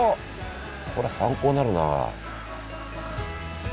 これ参考になるな。